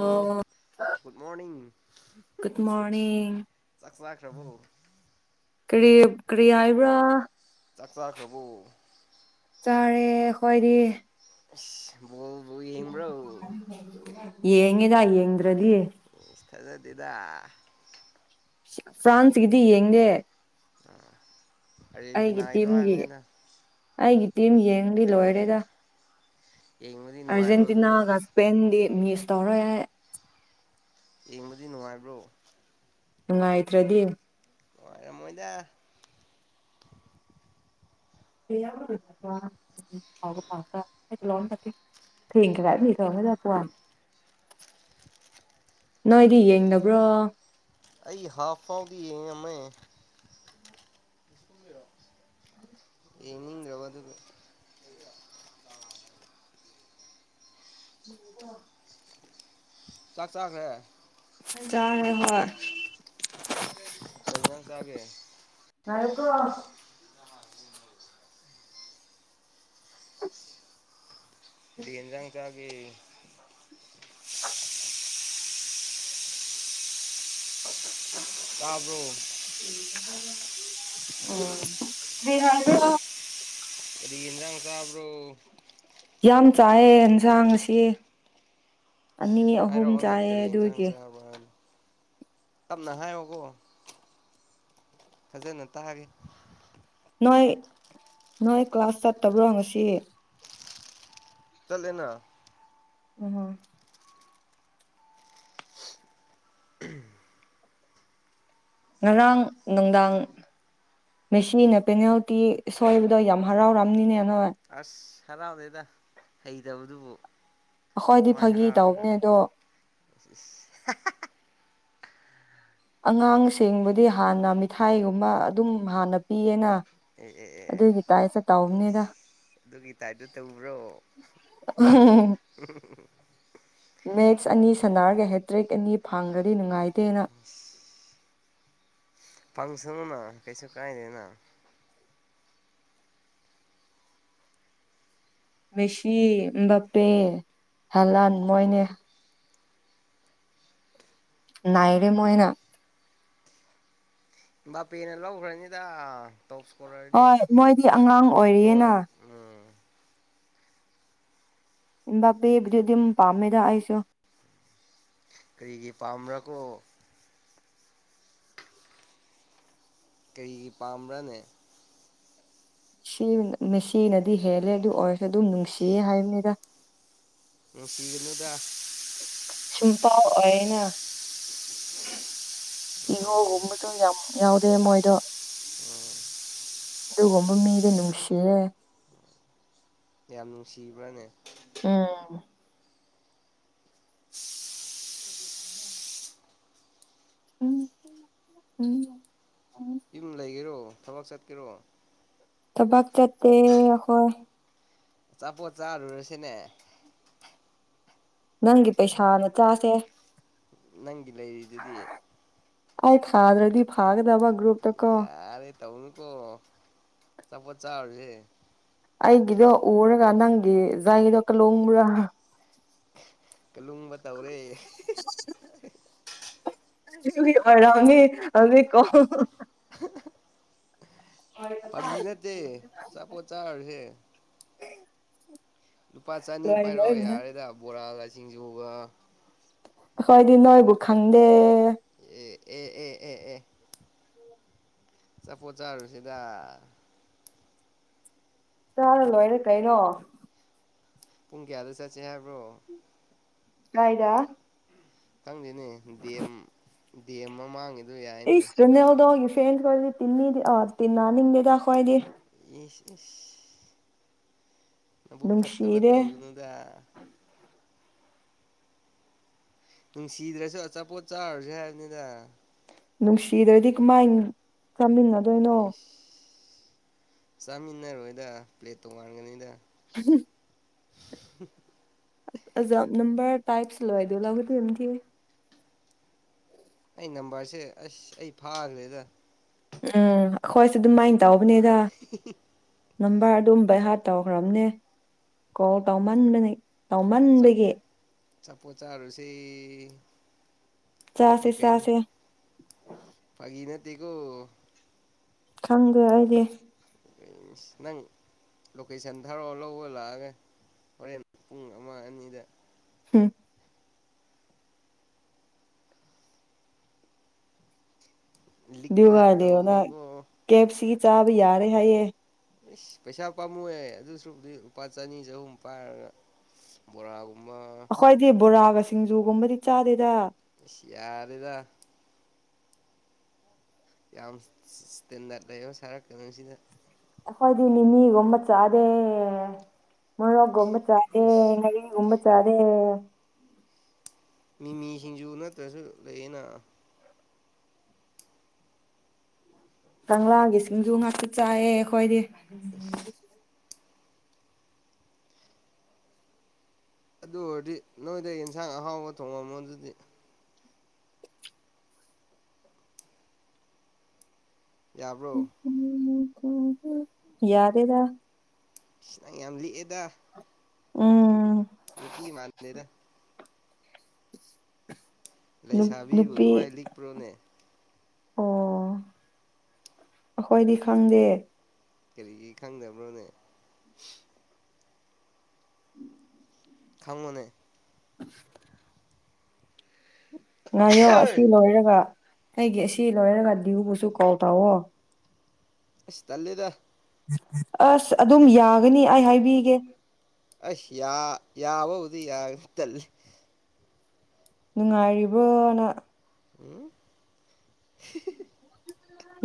ꯑꯣ good morning good morning ꯆꯥꯛ ꯆꯥꯈ꯭ꯔꯕꯣ ꯀꯔꯤꯞ ꯀꯔꯤ ꯍꯥꯏꯕ꯭ꯔꯥ ꯆꯥꯛ ꯆꯥꯈ꯭ꯔꯕꯣ ꯆꯥꯔꯦ ꯑꯈꯣꯏꯗꯤ ꯑꯁ ꯕꯣꯜ ꯕꯨꯏ ꯌꯦꯡꯉꯦꯗꯥꯏ ꯌꯦꯡꯗ꯭ꯔꯗꯤ ꯏꯁ ꯊꯖꯗꯦꯗ ꯁꯤ ꯐ꯭ꯔꯥꯟꯁꯒꯤꯗꯤ ꯌꯦꯡꯗꯦ ꯑꯥ ꯑꯩꯒꯤ ꯑꯥꯔꯖꯦꯟꯇꯤꯅꯥꯒꯤꯗꯣ ꯇꯤꯝꯒꯤ ꯍꯥꯏꯕꯅꯤꯗ ꯑꯩꯒꯤ ꯇꯤꯝ ꯌꯦꯡꯗꯤ ꯂꯣꯏꯔꯦꯗ ꯌꯦꯡꯕꯗꯤ ꯅꯨꯡꯉꯥꯏꯕ꯭ꯔꯣ ꯑꯗꯨꯗꯣ ꯑꯔꯖꯦꯟꯇꯤꯅꯥꯒ ꯁꯄꯦꯟꯗꯤ ꯃꯤꯁ ꯇꯧꯔꯣꯏ ꯍꯦ꯫ ꯌꯦꯡꯕꯗꯤ ꯅꯨꯡꯉꯥꯏꯕ꯭ꯔꯣ꯫ ꯅꯨꯡꯉꯥꯏꯇ꯭ꯔꯗꯤ ꯅꯨꯉꯥꯏꯔꯝꯃꯣꯏꯗ [unintelligible] [unintelligible] [inaudible] ꯅꯣꯏꯗꯤ ꯌꯦꯡꯗꯕ꯭ꯔꯣ ꯑꯩ ꯍꯥꯞꯐꯥꯎꯗꯤ ꯌꯦꯡꯉꯝꯃꯦ ꯌꯦꯡꯅꯤꯡꯗꯔꯕ ꯑꯗꯨꯒꯤ [inaudible] ꯆꯥꯛ ꯆꯥꯒ꯭ꯔꯦ ꯆꯔꯦ ꯍꯣꯏ ꯀꯩ ꯍꯤꯟꯖꯥꯡ ꯆꯥꯒꯦ ꯌꯥꯔꯦ ꯇꯣꯛꯑꯣ [inaudible] [inaudible] ꯀꯔꯤ ꯍꯦꯟꯖꯥꯡ ꯆꯥꯒꯦ꯫ ꯇꯥꯕ꯭ꯔꯣ ꯑꯣ ꯀꯔꯤ ꯍꯥꯏꯕꯔ ꯀꯔꯤ ꯏꯟꯖꯥꯥꯡ ꯆꯥꯕ꯭ꯔꯣ ꯌꯥꯝ ꯆꯥꯏꯌꯦ ꯍꯦꯟꯖꯥꯡ ꯉꯁꯤ ꯑꯅꯤ ꯑꯍꯨꯝ ꯍꯥꯏꯔꯛꯑꯣꯅꯦ ꯆꯥꯏꯌꯦ ꯀꯔꯤ ꯑꯗꯨꯒꯤ [unintelligible] ꯇꯞꯅ ꯍꯥꯏꯌꯣꯀꯣ ꯐꯖꯅ ꯇꯥꯒꯦ ꯅꯣꯏ ꯅꯣꯏ ꯀ꯭ꯂꯥꯁ ꯆꯠꯇꯕ꯭ꯔꯥ ꯉꯁꯤ ꯆꯠꯂꯦꯅ ꯑꯣꯍꯣ ꯉꯔꯥꯡ ꯅꯨꯡꯗꯥꯡ ꯃꯦꯁꯤꯅ ꯄꯦꯅꯥꯜꯇꯤ ꯁꯣꯏꯕꯗꯣ ꯌꯥꯝ ꯍꯔꯥꯎꯔꯝꯅꯤꯅꯦ ꯅꯣꯏ ꯑꯁ ꯍꯔꯥꯎꯗꯦꯗ ꯍꯩꯇꯗꯨꯕꯨ ꯑꯩꯈꯣꯏꯗꯤ ꯐꯥꯒꯤ ꯇꯧꯕꯅꯦ ꯑꯗꯣ ꯏꯁ ꯍꯥ ꯍꯥ ꯍꯥ ꯑꯉꯥꯡꯁꯤꯡꯕꯨꯗꯤ ꯍꯥꯟꯅ ꯃꯤꯊꯥꯏꯒꯨꯝꯕ ꯑꯗꯨꯝ ꯍꯥꯟꯅ ꯄꯤꯌꯦꯅ ꯑꯦ ꯑꯦ ꯑꯦ ꯑꯦ ꯑꯗꯨꯒꯤ ꯇꯥꯏꯞꯇ ꯇꯧꯕꯅꯤꯗ ꯑꯁ ꯑꯗꯨꯒꯤ ꯇꯥꯏꯞꯇ ꯇꯧꯕ꯭ꯔꯣ [unintelligible] ꯃꯦꯠꯁ ꯑꯅꯤ ꯁꯥꯅꯔꯒ ꯍꯦꯇ꯭ꯔꯤꯛ ꯑꯅꯤ ꯐꯪꯈ꯭ꯔꯗꯤ ꯅꯨꯡꯉꯥꯏꯇꯦꯅ ꯐꯪꯁꯅꯨꯅ ꯀꯩꯁꯨ ꯀꯥꯏꯗꯦꯅ ꯃꯦꯁꯤ ꯑꯝꯕꯄꯦ ꯍꯂꯥꯟ ꯃꯣꯏꯅꯦ ꯅꯥꯏꯔꯦ ꯃꯣꯏꯅ ꯕꯥꯄꯦꯅ ꯂꯧꯒ꯭ꯔꯅꯤꯗ ꯇꯧꯊꯣꯔꯦ ꯍꯣꯏ ꯃꯣꯏꯗꯤ ꯑꯉꯥꯡ ꯑꯣꯏꯔꯤꯌꯦꯅ ꯎꯝ ꯑꯦꯝꯕꯥꯞꯄꯦꯕꯕꯨꯗꯤ ꯑꯗꯨꯝ ꯄꯥꯝꯃꯦꯗ ꯑꯩꯁꯨ ꯀꯔꯤꯒꯤ ꯄꯥꯝꯕ꯭ꯔꯥꯀꯣ ꯀꯔꯤꯒꯤ ꯄꯥꯝꯕ꯭ꯔꯅꯦ ꯁꯤ [unintelligible] ꯃꯦꯁꯤꯅꯗꯤ ꯍꯦꯜꯂꯦ ꯑꯗꯨ ꯑꯣꯏꯔꯁꯨ ꯑꯗꯨꯝ ꯅꯨꯡꯁꯤꯌꯦ ꯍꯥꯏꯕꯅꯤꯗ ꯅꯨꯡꯁꯤꯒꯅꯨꯗꯥ ꯁꯤꯝꯄꯜ ꯑꯣꯏꯌꯦꯅ ꯏꯍꯧꯒꯨꯝꯕꯁꯨ ꯌꯥꯝ ꯌꯥꯎꯗꯦ ꯃꯣꯏꯗꯣ ꯑꯗꯨꯒꯨꯝꯕ ꯃꯤꯗꯤ ꯅꯨꯡꯁꯤꯌꯦ ꯌꯥꯝ ꯅꯨꯡꯁꯤꯕ꯭ꯔꯥꯅꯦ ꯎꯝ ꯎꯝ ꯎꯝ ꯎꯝ ꯌꯨꯝ ꯂꯩꯒꯦꯔꯣ ꯊꯕꯛ ꯆꯠꯀꯦꯔꯣ ꯊꯕꯛ ꯆꯠꯇꯦ ꯑꯈꯣꯏ ꯆꯥꯄꯣꯠ ꯆꯥꯔꯨꯔꯁꯤꯅꯦ ꯅꯪꯒꯤ ꯄꯩꯁꯥꯅ ꯆꯥꯁꯦ ꯅꯪꯒꯤ ꯂꯩꯔꯤꯗꯨꯗꯤ ꯑꯩ ꯊꯥꯗ꯭ꯔꯗꯤ ꯐꯥꯒꯗꯕ ꯒꯔꯨꯞꯇ ꯀꯣ ꯌꯥꯔꯦ ꯇꯧꯅꯨꯀꯣ ꯑꯆꯥꯄꯣꯠ ꯆꯥꯔꯨꯖꯦ ꯑꯩꯒꯤꯗꯣ ꯎꯔꯒ ꯅꯪꯒꯤ ꯖꯏꯗꯣ ꯀꯥꯂꯣꯡꯕ꯭ꯔꯥ ꯀꯂꯨꯡꯕ ꯇꯧꯔꯦ [unintelligible] ꯑꯔꯥꯡꯉꯦ ꯍꯥꯎꯖꯤꯛꯀꯣ ꯐꯥꯒꯤ ꯅꯠꯇꯦ ꯑꯆꯥꯄꯣꯠ ꯆꯥꯔꯨꯔꯁꯦ ꯂꯨꯄꯥ ꯆꯅꯤ ꯂꯣꯏ ꯄꯥꯏꯔꯛꯑꯣ ꯂꯣꯏꯅ ꯌꯥꯔꯦꯗ ꯕꯣꯔꯥꯒ ꯁꯤꯡꯖꯨꯒ ꯑꯈꯣꯏꯗꯤ ꯅꯣꯏꯕꯨ ꯈꯪꯗꯦ ꯑꯦ ꯑꯦ ꯑꯦ ꯑꯦ ꯑꯦ ꯑꯆꯥꯄꯣꯠ ꯆꯥꯥꯔꯨꯁꯤꯗ ꯆꯥꯔ ꯂꯣꯏꯔꯦ ꯀꯩꯅꯣ ꯄꯨꯡ ꯀꯌꯥꯗ ꯆꯠꯁꯦ ꯍꯥꯏꯕ꯭ꯔꯣ ꯀꯥꯏꯗ ꯈꯪꯗꯦꯅꯦ ꯗꯦꯝ ꯗꯤ ꯑꯦꯝ ꯃꯃꯥꯡꯒꯤ ꯏꯁ ꯔꯣꯅꯦꯜꯗꯣ ꯍꯣꯏꯒꯤ ꯐꯦꯟꯁ ꯑꯣꯏꯗꯤ ꯇꯤꯟꯅꯤꯗꯤ ꯑꯣ ꯇꯤꯟꯅꯥ ꯅꯤꯡꯗꯦꯗ ꯑꯈꯣꯏꯗꯤ ꯏꯁ ꯏꯁ ꯅꯕꯨꯛ ꯐꯠꯇꯕ ꯅꯨꯡꯁꯤꯔꯦ ꯇꯧꯒꯅꯨꯗ ꯅꯨꯡꯁꯤꯗ꯭ꯔꯁꯨ ꯑꯆꯥꯄꯣꯠ ꯆꯥꯔꯨꯁꯦ ꯍꯥꯏꯕꯅꯤꯗ ꯅꯨꯡꯁꯤꯗ꯭ꯔꯗꯤ ꯀꯃꯥꯏꯟ ꯆꯥꯃꯤꯟꯅ ꯏꯁ ꯆꯥꯃꯤꯟꯅꯔꯣꯏꯗ ꯄ꯭ꯂꯦꯠ ꯇꯣꯉꯥꯟꯒꯅꯤꯗ [unintelligible] ꯑꯖꯚ ꯅꯝꯕꯔ ꯇꯥꯏꯞꯁ ꯂꯣꯏꯗꯅꯕ [unintelligible] ꯑꯩ ꯅꯝꯕꯔꯁꯦ ꯑꯁ ꯑꯩ ꯐꯥꯈ꯭ꯔꯦꯗ ꯎꯝ ꯑꯩꯈꯣꯏꯁꯨ ꯑꯗꯨꯃꯥꯏꯅ ꯇꯧꯕꯅꯦꯗ [inaudible] ꯅꯝꯕꯔ ꯑꯗꯨꯝ ꯕꯥꯏꯍꯥꯔꯗ ꯇꯧꯈ꯭ꯔꯕꯅꯦ ꯀꯣꯜ ꯇꯧꯃꯟꯕꯅꯤ ꯇꯧꯃꯟꯕꯒꯤ ꯑꯆꯄꯣꯠ ꯆꯤꯔꯨꯁꯦ ꯆꯥꯁꯦ ꯀꯩꯀꯩꯅꯤ ꯆꯥꯁꯦ ꯐꯒꯤ ꯅꯠꯇꯒꯣ ꯈꯪꯗꯦ ꯑꯩꯗꯤ [unintelligible] ꯅꯪ ꯂꯣꯀꯦꯁꯟ ꯊꯥꯔꯛꯑꯣ ꯂꯧꯕ ꯂꯥꯛꯑꯒꯦ ꯍꯣꯔꯦꯟ ꯄꯨꯡ ꯑꯃ ꯑꯅꯤꯗ ꯍꯝ ꯂꯤꯛꯄ ꯑꯗꯨꯒ ꯂꯤꯌꯣꯅ ꯇꯧꯒꯅꯨꯀꯣ ꯀꯦ ꯑꯦꯞ ꯁꯤꯒꯤ ꯆꯥꯕ ꯌꯥꯔꯦ ꯍꯥꯏꯌꯦ ꯏꯁꯁ ꯄꯩꯁꯥ ꯄꯥꯝꯃꯨꯌꯦ ꯑꯗꯨ ꯁꯔꯨꯛꯄꯨꯗꯤ ꯂꯨꯄꯥ ꯆꯅꯤ ꯆꯍꯨꯝ ꯄꯥꯏꯔꯒ ꯑꯁ ꯕꯣꯔꯥꯒꯨꯝꯕ ꯈꯣꯏꯗꯤ ꯕꯣꯔꯥꯒ ꯁꯤꯡꯖꯨꯒꯨꯝꯕꯗꯤ ꯆꯥꯗꯦꯗ ꯏꯁ ꯌꯥꯔꯦꯗ ꯌꯥꯝ ꯏꯁꯇꯦꯟꯗꯥꯔꯠ ꯂꯩꯕ ꯁꯥꯔꯛꯀ ꯅꯨ ꯁꯤꯅ ꯑꯩꯈꯣꯏꯗꯤ ꯃꯤꯃꯤꯒꯨꯝꯕ ꯆꯥꯗꯦ ꯃꯣꯔꯣꯛꯀꯨꯝꯕ ꯆꯥꯗꯦ ꯏꯁ ꯉꯥꯔꯤꯒꯨꯝꯕ ꯆꯥꯗꯦ ꯃꯤꯃꯤ ꯁꯤꯡꯖꯨ ꯅꯠꯇ꯭ꯔꯁꯨ ꯂꯩꯌꯦꯅ ꯀꯪꯂꯥꯒꯤ ꯁꯤꯡꯖꯨ ꯉꯥꯛꯇ ꯆꯥꯏꯑꯦ ꯑꯩꯈꯣꯏꯗꯤ ꯏꯁ ꯑꯗꯨ ꯑꯣꯏꯔꯗꯤ ꯅꯣꯏꯗ ꯑꯦꯟꯁꯥꯡ ꯑꯍꯥꯎꯕ ꯊꯣꯡꯉꯝꯃꯣ ꯑꯗꯨꯗꯤ ꯌꯥꯕ꯭ꯔꯣ [unintelligible] ꯌꯥꯗꯦꯗ ꯏꯁ ꯅꯪ ꯌꯥꯝ ꯂꯤꯛꯑꯦꯗ ꯎꯝ ꯅꯨꯄꯤ ꯃꯥꯥꯟꯗꯦꯗ ꯅꯨ ꯂꯩꯁꯥꯕꯤꯕꯨ ꯅꯨꯄꯤ ꯑꯗꯨꯃꯥꯏ ꯂꯤꯛꯄ꯭ꯔꯣꯅꯦ ꯑꯣ [inaudible] ꯑꯩꯈꯣꯏꯗꯤ ꯈꯪꯗꯦ ꯀꯔꯤꯒꯤ ꯈꯪꯗꯕ꯭ꯔꯣꯅꯦ ꯈꯪꯉꯣꯅꯦ [unintelligible] ꯉꯥꯏꯌꯣ ꯑꯁꯤ ꯂꯣꯏꯔꯒ ꯑꯩꯒꯤ ꯑꯁꯤ ꯂꯣꯏꯔꯒ ꯗꯤꯌꯨꯕꯨꯁꯨ ꯀꯣꯟ ꯇꯧꯋꯣ ꯑꯁ ꯇꯜꯂꯦꯗ ꯑꯁ ꯑꯗꯨꯝ ꯌꯥꯒꯅꯤ ꯑꯩ ꯍꯥꯏꯕꯤꯒꯦ ꯑꯥꯁ ꯌꯥ ꯌꯥꯕꯕꯨꯗꯤ ꯌꯥꯒꯅꯤ ꯇꯜꯂꯤ ꯅꯨꯡꯉꯥꯏꯔꯤꯕꯣꯅꯥ [unintelligible]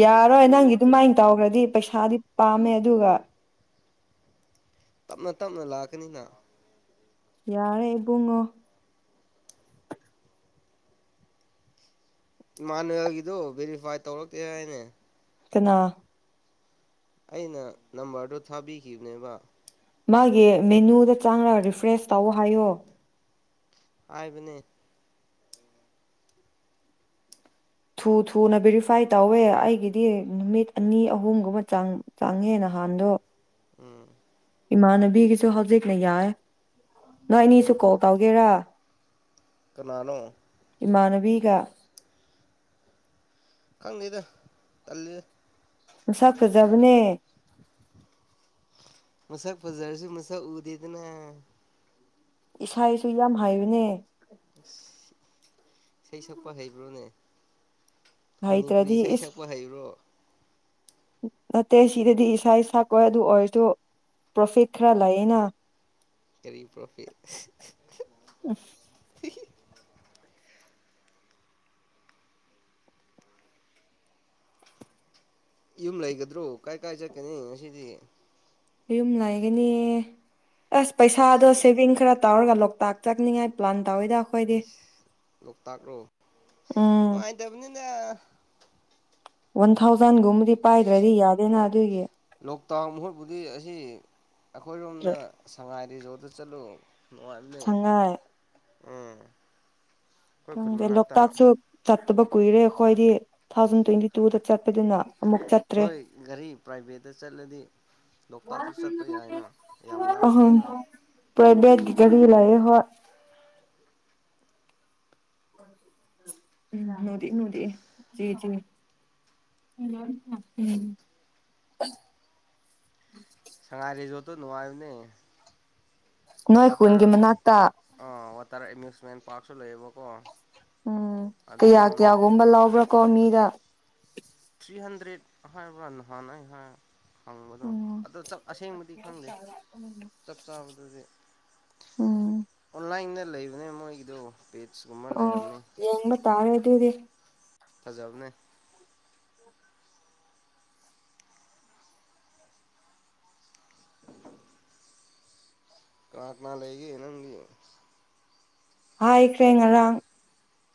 ꯌꯥꯔꯣꯏ ꯅꯪꯒꯤ ꯑꯗꯨꯃꯥꯏꯅ ꯇꯧꯔꯗꯤ ꯄꯩꯁꯥꯗꯤ ꯄꯥꯝꯃꯦ ꯑꯗꯨꯒꯥ ꯇꯞꯅꯥ ꯇꯞꯅꯥ ꯂꯥꯛꯀꯅꯤꯅꯥ ꯌꯥꯔꯦ ꯏꯕꯨꯡꯉꯣ ꯏꯃꯥꯟꯅꯕꯒꯤꯗꫭ ꯚꯦꯔꯤꯐꯥꯏ ꯇꯧꯔꯛꯇꯦ ꯍꯥꯏꯅꯦ ꯀꯅꯥ ꯑꯩꯅ ꯅꯝꯕꯔꯗꫭ ꯊꯥꯕꯤꯈꯤꯕꯅꯦꯕꯥ ꯃꯥꯒꯤ ꯃꯦꯅꯨꯗꯥ ꯆꯪꯉꯒ ꯔꯤꯐ꯭ꯔꯦꯁ ꯇꯧ ꯍꯥꯏꯌꯣ ꯍꯥꯏꯕꯅꯦ ꯊꯨ ꯊꯨꯅ ꯕꯦꯔꯤꯐꯥꯏ ꯇꯧꯋꯦ ꯑꯩꯒꯤꯗꯤ ꯅꯨꯃꯤꯠ ꯑꯅꯤ ꯑꯍꯨꯝꯒꯨꯝꯕ ꯆꯪ ꯆꯪꯉꯦ ꯅꯍꯥꯟꯗꯣ ꯎꯝꯝ ꯏꯃꯥꯟꯅꯕꯤꯒꯤꯁꯨ ꯍꯧꯖꯤꯛꯅ ꯌꯥꯏ ꯅꯣꯏ ꯎꯝ ꯑꯅꯤꯁꯨ ꯀꯣꯜ ꯇꯧꯒꯦꯔꯥ ꯀꯅꯥꯅꯣ ꯏꯃꯥꯟꯅꯕꯤꯒꯥ ꯈꯪꯗꯦꯗ ꯇꯜꯂꯦ ꯃꯁꯛ ꯐꯖꯕꯅꯦ [unintelligible] ꯃꯁꯛ ꯐꯖꯔꯁꯨ ꯃꯁꯛ ꯎꯗ°ꯗꯅꯥ ꯏꯁꯩ ꯁꯨ ꯌꯥꯝ ꯍꯩꯕꯅꯦ ꯏꯁ ꯏꯁꯩ ꯁꯛꯄꯥ ꯍꯩꯕ꯭ꯔꯣꯅꯦ ꯃꯅꯤꯄꯨꯔꯤ ꯍꯩꯇ꯭ꯔꯗꯤ ꯏꯁꯩ ꯏꯁ ꯁꯛꯄꯥ ꯍꯩꯕ꯭ꯔꯣ ꯅꯠꯇꯦ ꯁꯤꯗꯗꯤ ꯏꯁꯥ ꯏꯁꯥ ꯀꯣꯢ ꯑꯗꯨ ꯑꯣꯏꯔꯁꯨ ꯄ꯭ꯔꯣꯐꯤꯠ ꯈꯔꯥ ꯂꯩꯌꯦꯅꯥ ꯀꯔꯤ ꯄ꯭ꯔꯣꯐꯤꯠ? [unintelligible] ꯌꯨꯝ ꯂꯩꯒꯗ꯭ꯔꯣ? ꯀꯥꯏ ꯀꯥꯏ ꯆꯠꯀꯅꯤ ꯉꯁꯤꯗꯤ꯫ ꯌꯨꯝ ꯂꯩꯥꯒꯅꯤ ꯑꯥꯁ ꯄꯩꯁꯥꯗꯣ ꯁꯦꯕꯤꯡ ꯈꯔ ꯇꯧꯔꯒ ꯂꯣꯛꯇꯥꯛ ꯆꯥꯛꯅꯤꯡꯉꯥꯏ ꯄ꯭ꯂꯥꯟ ꯇꯧꯔꯤꯗꯥ ꯑꯁ ꯂꯣꯛꯇꯥꯛꯂꯣ ꯎꯝ ꯅꯨꯡꯉꯥꯏꯇꯕꯅꯤꯗꯥ ꯋꯥꯟ ꯊꯥꯎꯖꯟ ꯒꯨꯝꯕꯗꯤ ꯄꯥꯏꯗ꯭ꯔꯗꯤ ꯌꯥꯗꯦꯅꯥ ꯑꯗꯨꯒꯤ ꯂꯣꯛꯇꯥꯛ ꯃꯍꯨꯠꯕꯨꯨꯗꯤ ꯑꯁꯤ ꯑꯩꯈꯣꯏꯔꯣꯝꯅ ꯁꯉꯥꯏ ꯔꯤꯖꯣꯔꯠꯇ ꯆꯠꯂꯨ ꯅꯨꯡꯉꯥꯏꯕꯅꯤ ꯁꯉꯥꯏ ꯎꯝ ꯑꯩꯈꯣꯏ ꯈꯨꯟ ꯈꯪꯗꯦ ꯃꯅꯥꯛꯇ ꯂꯣꯛꯇꯥꯛꯁꯨ.... ꯆꯠꯇꯕ ꯀꯨꯏꯔꯦ ꯑꯩꯈꯣꯏꯗꯤ ꯇꯨ ꯊꯥꯎꯖꯟ ꯇ꯭ꯋꯦꯟꯇꯤ ꯇꯨꯗ ꯆꯠꯄꯗꯨꯅ ꯑꯃꯨꯛ ꯆꯠ ꯅꯣꯏ ꯒꯥꯔꯤ ꯄ꯭ꯔꯥꯏꯚꯦꯠꯇꯥ ꯆꯠꯂꯗꯤ ꯂꯣꯛꯇꯥꯛꯁꯨ ꯆꯠꯄꯥ ꯌꯥꯏꯅ ꯌꯥꯝ ꯑꯍꯨꯝ ꯂꯥꯞꯇ꯭ꯔꯦꯅ ꯄ꯭ꯔꯥꯏꯚꯦꯠꯀꯤ ꯒꯥꯔꯤ ꯂꯩꯌ° ꯈꯣꯢ [unintelligible] ꯁꯉꯥꯏ ꯔꯤꯖꯣꯠꯇꯨ ꯅꯨꯡꯉꯥꯏꯕꯅꯤ ꯅꯣꯏ ꯋꯥꯇꯔ ꯈꯨꯟꯒꯤ ꯃꯅꯥꯛꯇ ꯑꯥ ꯋꯥꯇꯔ ꯑꯦꯃꯦꯖꯃꯦꯟ ꯄꯥꯔꯛꯁꯨ ꯂꯩꯌꯦꯕꯀꯣ ꯎꯝ ꯑꯗꯨꯝ ꯀꯌꯥ ꯀꯌꯥꯒꯨꯝꯕ ꯂꯧꯕꯔꯥꯀꯣ ꯃꯤꯗ ꯊ꯭ꯔꯤ ꯍꯟꯗ꯭ꯔꯦꯗ ꯍꯥꯏꯕ꯭ꯔꯥ ꯅꯍꯥꯟ ꯑꯩ ꯍꯥꯏ ꯍꯪꯕꯗꯣ ꯎꯝ ꯑꯗꯣ ꯆꯞ ꯑꯁꯦꯡꯕꯗꯤ ꯈꯪꯗꯦ ꯆꯞ ꯆꯥꯕꯗꯨꯗꯤ ꯎꯝ ꯑꯣꯟꯂꯥꯏꯟꯗꯥ ꯂꯩꯕꯅꯦ ꯃꯣꯏꯒꯤꯗꯣ ꯄꯦꯠꯁ ꯀꯨꯝꯕꯥ ꯑꯣ ꯂꯩꯔꯝꯅꯤ꯫ ꯌꯦꯡꯕ ꯇꯥꯔꯦ ꯑꯗꯨꯗꯤ ꯐꯖꯕꯅꯦ ꯀꯅꯥ ꯀꯅꯥ ꯂꯩꯒꯦ ꯅꯪꯗꯤ ꯍꯥꯏꯈ꯭ꯔꯦ ꯉꯔꯥꯡ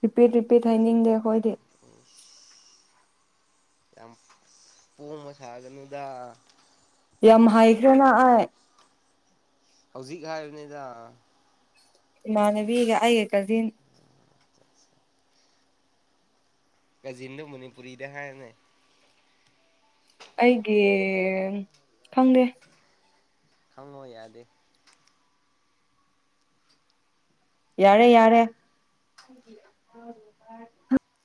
ꯔꯤꯄꯤꯠ ꯔꯤꯄꯤꯠ ꯍꯥꯏꯅꯤꯡꯗꯦ ꯑꯩꯈꯣꯏꯗꯤ ꯑꯁ ꯌꯥꯝ ꯄꯣꯡꯕ ꯁꯥꯒꯅꯨꯗ ꯌꯥꯝ ꯍꯥꯏꯈ꯭ꯔꯦꯅ ꯑꯩ ꯍꯧꯖꯤꯛ ꯍꯥꯏꯕꯅꯤꯗꯥ ꯏꯃꯥꯟꯅꯕꯤꯒ ꯑꯩꯒ ꯀꯖꯤꯟ ꯀꯖꯤꯟꯗꯨ ꯃꯅꯤꯄꯨꯔꯤꯗ ꯍꯥꯏꯌꯣꯅꯦ ꯑꯩꯒꯤ ꯈꯪꯗꯦ ꯈꯪꯉꯣ ꯌꯥꯗꯦ ꯌꯥꯔꯦ ꯌꯥꯔꯦ